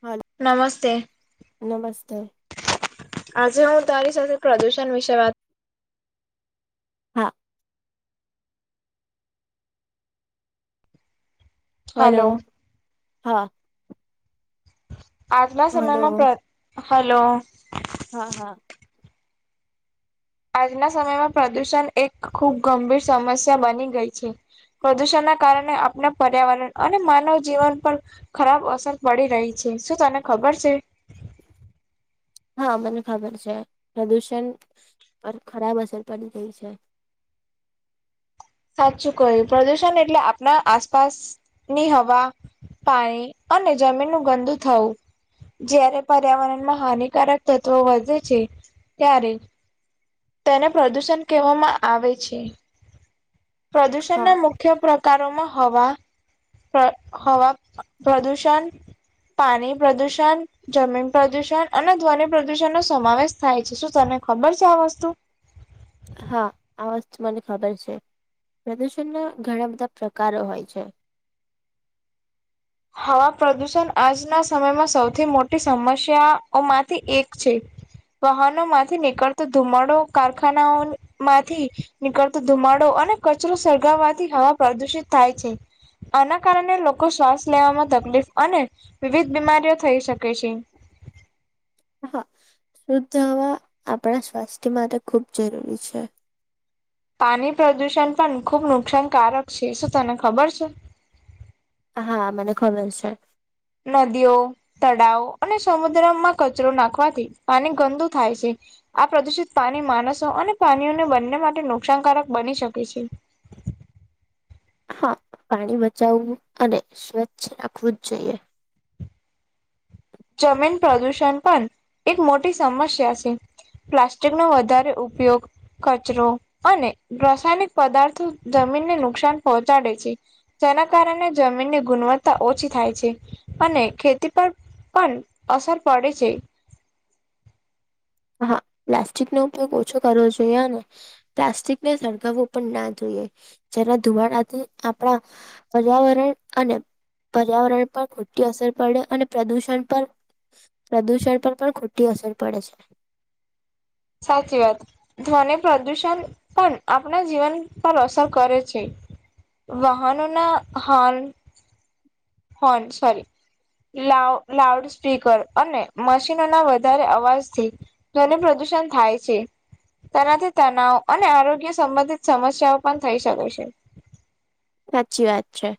Hello નમસ્તે. નમસ્તે. આજે હું તારી સાથે પ્રદૂષણ વિશે વાત હા હલો હા આજલા સમયમાં હલો. પ્ર હલો હા હા આજના સમય માં પ્રદૂષણ એક ખૂબ ગંભીર સમસ્યા બની ગઈ છે. પ્રદૂષણના કારણે આપણે પર્યાવરણ અને માનવ જીવન પણ ખરાબ અસર પડી રહી છે શું તને ખબર છે? [inaudible] હા મને ખબર છે પ્રદુષણ પર ખરાબ અસર પડી રહી છે. સાચું કહ્યું પ્રદૂષણ એટલે આપણા આસપાસ ની હવા પાણી અને જમીનનું ગંદુ થવું જયારે પર્યાવરણ માં હાનિકારક તત્વો વધે છે ત્યારે તેને પ્રદુષણ કહેવામાં આવે છે હા પ્રદુષણના મુખ ખ્ય પ્રકારોમાં હવા પ્ર હવા પ્રદુષણ પાણી પ્રદૂષણ. જમીન પ્રદુષણ અને ધ્વનિ પ્રદુષણ નો સમાવેશ થાય છે શું તને ખબર છે આ વસ્તુ? હા આ વસ્તુ મને ખબર છે પ્રદૂષણના ઘણા બધા પ્રકારો હોય છે. હવા પ્રદુષણ આજના સમયમાં સૌથી મોટી સમસ્યાઓ માંથી એક છે. વાહનો માંથી નીકળતો ધુમડો કારખાના ઓ ન માંથી નીકળતો ધુમાડો અને કચરો સળગાવવાથી હવા પ્રદુષિત થાય છે. આના કારણે લોકો શ્વાસ લેવામાં તકલીફ અને વિવિધ બીમારીઓ થઈ શકે છે. હા શુદ્ધ હવા આપણા સ્વાસ્થ્ય માટે ખૂબ જરૂરી છે. પાણી પ્રદુષણ પણ ખુબ નુકસાનકારક છે શું તને ખબર છે? હા મને ખબર છે. નદીઓ તળાવ અને સમુદ્રમાં કચરો નાખવાથી પાણી ગંદુ થાય છે. આ પ્રદુષિત પાણી માણસો અને પ્રણીઓને બંને માટે નુકસાનકારક બની શકે છે. હા પાણી બચાવવું અને સ્વચ્છ રાખવું જ જોઈએ. જમીન પ્રદૂષણ પણ એક મોટી સમસ્યા છે. પ્લાસ્ટિકનો વધારે ઉપયોગ. કચરો અને રાસાયણિક પદાર્થો જમીનને નુકસાન પહોંચાડે છે. જેના કારણે જમીનની ગુણવત્તા ઓછી થાય છે અને ખેતી પર પણ અસર પડે છે. હા પ્લાસ્ટિક નો ઉપયોગ ઓછો કરવો જોઈએ ને પ્લાસ્ટિકને સળગાવવું પણ ના જોઈએ જરા ધુવાડાથી આપણા પર્યાવરણ અને પર્યાવરણ પર ખોટી અસર પડે અને પ્રદૂષણ પર પ્રદૂષણ પર પણ ખોટી અસર પડે છે. સાચી વાત ધ્વની પ્રદૂષણ પણ આપણા જીવન પર અસર કરે છે. વાહનો ના હોરન હોન સોરી લાઉ લાઉડ સ્પીકર અને મશીનોના વધારે અવાજથી ધ્વન ની પ્રદૂષણ થાય છે તેનાથી તનાવ અને આરોગ્ય સંબંધિત સમસ્યાઓ પણ થઈ શકે છે. સાચી વાત છે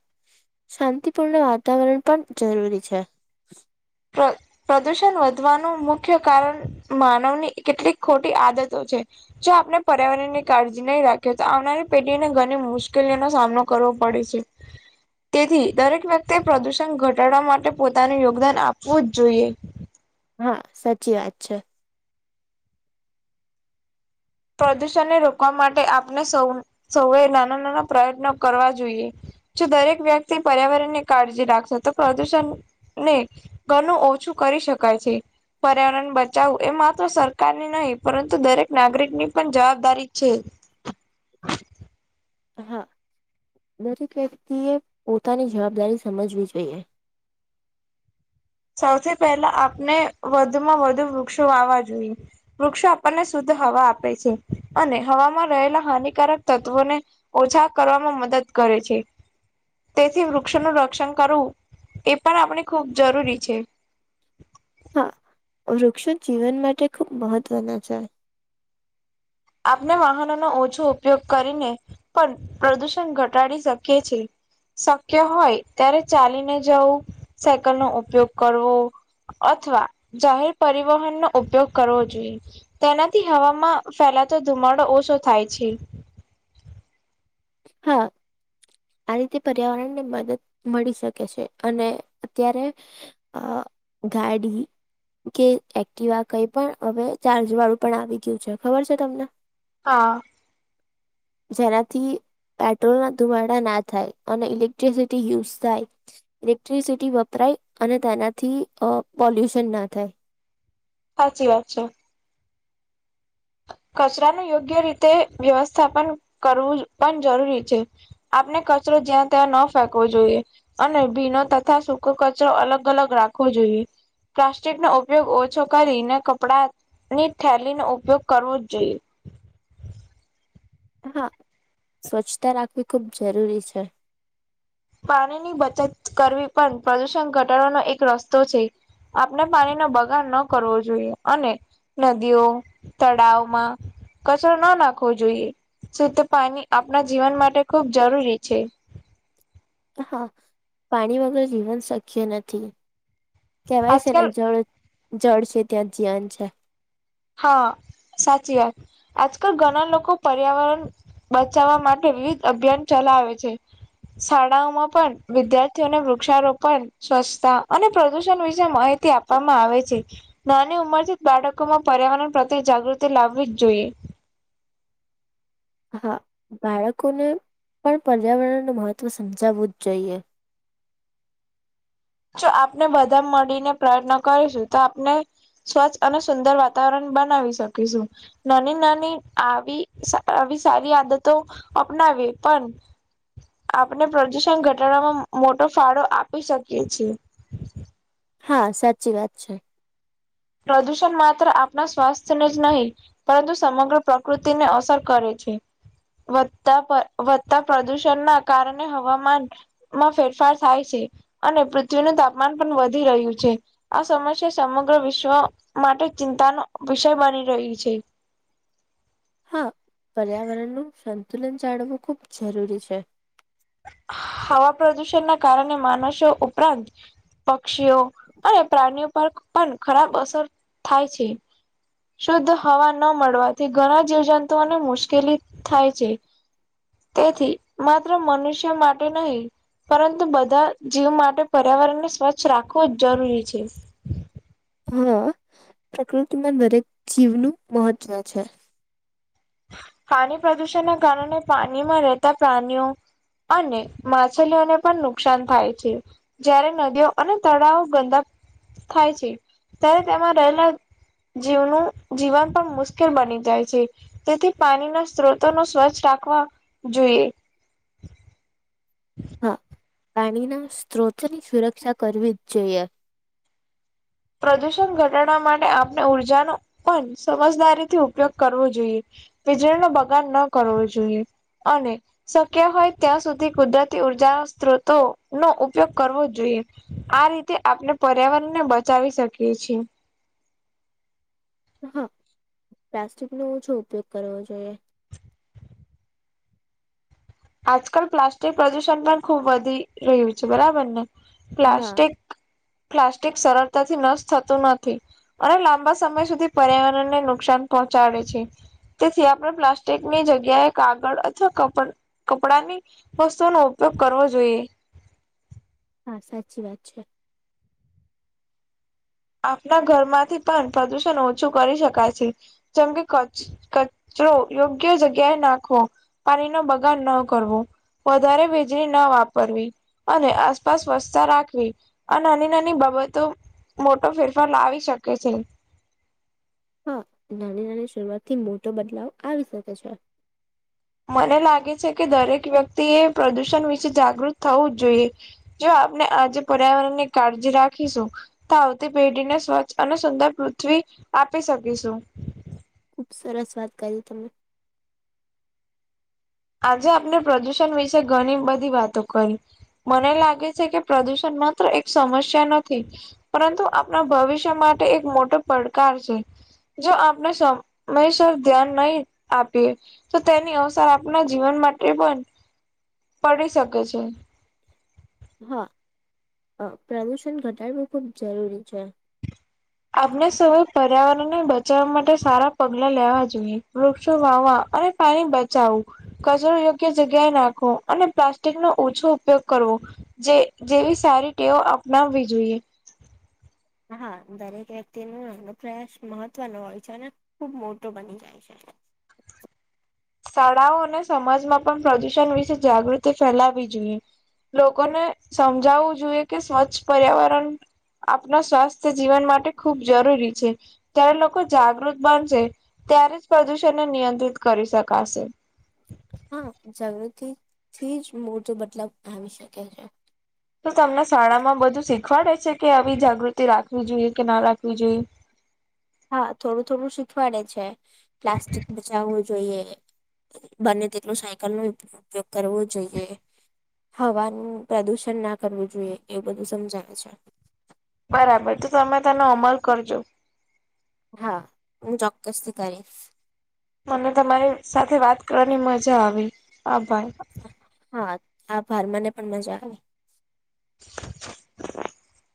શાંતિપૂર્ણ વાતાવરણ પણ જરૂરી છે. હા. પ્રદુષણ વધવાનું મુખ્ય કારણ માનવની કેટલીક ખોટી આદતો છે. જો આપણે પર્યાવરણ ની કાળજી નહી રાખી તો આવનારી પેઢીને ઘણી મુશ્કેલીઓનો સામનો કરવો પડે છે. તેથી દરેક વ્યક્તિએ પ્રદુષણ ઘટાડવા માટે પોતાનું યોગદાન આપવું જ જોઈએ. હા સાચી વાત છે. પ્રદૂષણને રોકવા માટે આપણે સૌ સૌએ નાના નાના પ્રયત્નો કરવા જોઈએ. જો દરેક વ્યક્તિ પર્યાવરણ ની કાળજી રાખશે તો પ્રદુષણને ઘનું ઓછું કરી શકાય છે. પર્યાવરણ બચાવું એ માત્ર સરકારની નહીં પરંતુ દરેક નાગરિક ની પણ જવાબદારી છે. હા દરેક વ્યક્તિ એ પોતાની જવાબદારી સમજવી જોઈએ. સૌથી પહેલા આપણે વધુમાં વધુ વૃક્ષો વાવા જોઈએ. વૃક્ષો આપણને શુદ્ધ હવા આપે છે અને હવામાં રહેલા હાનિકારક તત્વોને ઓછા કરવામાં મદદ કરે છે. તેથી વૃક્ષોનું રક્ષણ કરવું એ પણ આપણે ખૂબ જરૂરી છે. હા વૃક્ષો જીવન માટે ખુબ મહત્વના છે. આપણે વાહનોનો ઓછો ઉપયોગ કરીને પણ પ્રદુષણ ઘટાડી શકીએ છીએ. શક્ય હોય ત્યારે ચાલીને જવું સાયકલ નો ઉપયોગ કરવો અથવા જાહેર પરિવહન નો ઉપયોગ કરવો જોઈએ. તેનાથી હવામાં ફેલાતો ધુમાડો ઓછો થાય છે. હા આ રીતે પર્યાવરણ ને મદદ મળી શકે છે અને અત્યારે આ ગાડી કે એક્ટિવા કઈ પણ હવે ચાર્જ વાળું પણ આવી ગયું છે ખબર છે તમને હા. જેનાથી પેટ્રોલના ધુમાડા ના થાય અને ઇલેક્ટ્રિસિટી યુઝ થાય ઇલેક્ટ્રિસિટી વપરાય અને તેનાથી અ પોલ્યુશન ના થાય. સાચી વાત છે. કચરાનું યોગ્ય રીતે વ્યવસ્થાપન કરવું પણ જરૂરી છે. આપને કચરો જ્યાં ત્યાં ન ફેંકવો જોઈએ. અને ભીનો તથા સૂકો કચરો અલગ અલગ રાખવો જોઈએ. પ્લાસ્ટિક નો ઉપયોગ ઓછો કરીને કપડાની થેલી નો ઉપયોગ કરવો જ જોઈએ. હા સ્વચ્છતા રાખવી ખૂબ જરૂરી છે. પાણીની બચત કરવી પણ પ્રદૂષણ ઘટાડવાનો એક રસ્તો છે. આપણે પાણીનો બગાડ ન કરવો જોઈએ અને નદીઓ, તળાવમાં કચરો ના નાખવો જોઈએ. શુદ્ધ પાણી આપણા જીવન માટે ખુબ જરૂરી છે. હા પાણી વગર જીવન શક્ય નથી. કહેવાય છે આજકાલ ને જળ જળ છે ત્યાં જીવન છે. હા સાચી વાત. આજકાલ ઘણા લોકો પર્યાવરણ બચાવવા માટે વિવિધ અભિયાન ચલાવે છે. શાળાઓમાં પણ વિદ્યાર્થીઓને વૃક્ષારોપણ સ્વચ્છતા અને પ્રદુષણ વિશે માહિતી આપવામાં આવે છે. નાની ઉંમરથી જ બાળકોમાં પર્યાવરણ પ્રત્યે જાગૃતિ લાવવી જ જોઈએ. હા બાળકોને પણ પર્યાવરણનું મહત્ત્વ સમજાવવું જ જોઈએ. જો આપને બધા મળીને પ્રયત્ન કરીશું તો આપને સ્વચ્છ અને સુંદર વાતાવરણ બનાવી શકીશું. નાની નાની આવી આવી સારી આદતો અપનાવી પણ આપણે પ્રદૂષણ ઘટાડવામાં મોટો ફાળો આપી શકીએ છીએ. હા સાચી વાત છે. પ્રદૂષણ માત્ર આપણા સ્વાસ્થ્યને જ નહીં પરંતુ સમગ્ર પ્રકૃતિને અસર કરે છે. વધતા વધતા પ્રદુષણ ના કારણે હવામાન માં ફેરફાર થાય છે. અને પૃથ્વીનું તાપમાન પણ વધી રહ્યું છે. આ સમસ્યા સમગ્ર વિશ્વ માટે ચિંતા નો વિષય બની રહ્યું છે. હા પર્યાવરણનું સંતુલન જાળવવું ખૂબ જરૂરી છે. હવા પ્રદુષણ ના કારણે માણસો ઉપરાંત પક્ષીઓ અને પ્રાણીઓ પર પણ ખરાબ અસર થાય છે. શુદ્ધ હવા ન મળવાથી ઘણા જીવજંતુઓને મુશ્કેલી થાય છે. તેથી માત્ર મનુષ્ય માટે નય પરંતુ બધા જીવ માટે પર્યાવરણને સ્વચ્છ રાખવું જ જરૂરી છે. હા પ્રકૃતિમાં દરેક જીવનું મહત્ત્વ છે. પાણી પ્રદુષણ ના કારણે પાણીમાં રહેતા પ્રાણીઓ અને માછલીઓને પણ નુકસાન થાય છે. જયારે નદીઓ અને તળાવો ગંદા થાય છે ત્યારે તેમાં રહેલા જીવનું જીવન પણ મુશ્કેલ બની જાય છે. તેથી પાણીના સ્ત્રોતો ને સ્વચ્છ રાખવા જોઈએ. હા પાણીના સ્ત્રોતોની સુરક્ષા કરવી જ જોઈએ. પ્રદૂષણ ઘટાડવા માટે આપણે ઉર્જાનો પણ સમજદારીથી ઉપયોગ કરવો જોઈએ. વીજળીનો બગાડ ન કરવો જોઈએ અને શક્ય હોય ત્યાં સુધી કુદરતી ઉર્જા સ્ત્રોતો નો ઉપયોગ કરવો જોઈએ. આ રીતે આપણે પર્યાવરણ ને બચાવી શકીએ છીએ. હા પ્લાસ્ટિકનો ઓછો ઉપયોગ કરવો જોઈએ. આજકાલ પ્લાસ્ટિક પ્રદુષણ પણ ખુબ વધી રહ્યું છે. બરાબર ને હા પ્લાસ્ટિક પ્લાસ્ટિક સરળતાથી નષ્ટ થતું નથી. અને લાંબા સમય સુધી પર્યાવરણને નુકસાન પહોંચાડે છે. તેથી આપણે પ્લાસ્ટિકની જગ્યાએ કાગળ અથવા કપ કપડા ની વસ્તુઓ નો ઉપયોગ કરવો જોઈએ. હા સાચી વાત છે. આપના ઘરમાંથી પણ પ્રદુષણ ઓછું કરી શકાય છે. જેમકે કચ કચરો યોગ્ય જગ્યાએ નાખવો. પાણી નો બગાડ ન કરવો, વધારે વીજળી ના વાપરવી. અને આસપાસ સ્વચ્છતા રાખવી. આ નાની નાની બાબતો મોટો ફેરફાર લાવી શકે છે. હા નાની-નાની શરૂઆત થી મોટો બદલાવ આવી શકે છે. મને લાગે છે કે દરેક વ્યક્તિ એ પ્રદુષણ વિશે જાગૃત થવું જ જોઈએ. જો આપણે આજે પર્યાવરણ ની કાળજી રાખીશું તો આવતી પેઢીને સ્વચ્છ અને સુંદર પૃથ્વી આપી શકીશુ. ખુબ સરસ વાત કરી તમે આજે આપણે પ્રદૂષણ વિશે ઘણી બધી વાતો કરી મને લાગે છે કે પ્રદુષણ માત્ર એક સમસ્યા નથી પરંતુ આપણા ભવિષ્ય માટે એક મોટો પડકાર છે જો આપને સમયસર ધ્યાન નહી આપીએ તો તેની અસર આપના જીવન માટે પણ પડી શકે છે. હા પ્રદુષણ ઘટાડવું ખુબ જરૂરી છે. આપને સૌ પર્યાવરણને બચવા માટે સારા પગલા લેવા જોઈએ વૃક્ષો વાવા અને પાણી બચાઓ કચરો યોગ્ય જગ્યાએ નાખવો અને પ્લાસ્ટિક નો ઓછો ઉપયોગ કરવો. જે જેવી સારી ટેઓ અપનાવવી જોઈએ. હા દરેક વ્યક્તિ ન અનો પ્રયાસ મહત્વનો હોય છે ને ખુબ મોટો બની જાય છે. શાળાઓ અને સમાજમાં પણ પ્રદુષણ વિશે જાગૃતિ ફેલાવી જોઈએ. લોકોને સમજાવવું જોઈએ કે સ્વચ્છ પર્યાવરણ આપણા સ્વાસ્થ્ય જીવન માટે ખૂબ જરૂરી છે. ત્યારે લોકો જાગૃત બનશે ત્યારે જ પ્રદૂષણને નિયંત્રિત કરી શકાશે. હા જાગૃતિ થી જ મોટો બદલાવ આવી શકે છે. તો તમને શાળામાં બધું શીખવાડે છે કે આવી જાગૃતિ રાખવી જોઈએ કે ના રાખવી જોઈએ. હા થોડું થોડું શીખવાડ છે પ્લાસ્ટિક બચાવવું જોઈએ બંને તેટલું સાયકલ નો ઉપયોગ કરવો જોઈએ હવાનું પ્રદુષણ ના કરવું જોઈએ એવું બધું સમજાય છે બરાબર તો તમે તેનો અમલ કરજો હા હું ચોક્કસથી કરીશ મને તમારી સાથે વાત કરવાની મજા આવી આભાર હા આભાર મને પણ મજા આવી. [inaudible]